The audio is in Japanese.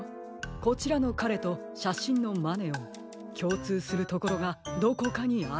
こちらのかれとしゃしんのマネオンきょうつうするところがどこかにあるはずです。